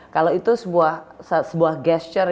kalau itu sebuah gesture